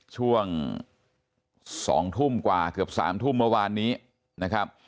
ช่วง๒ทุ่มกว่าเกือบ๓ทุ่มเมื่อวานนี้นะครับ